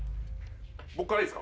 僕からいいですか？